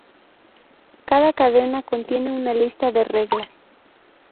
Cada cadena contiene una lista de reglas.